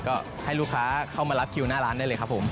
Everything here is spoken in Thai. ก็ให้ลูกค้าเข้ามารับคิวหน้าร้านได้เลยครับผม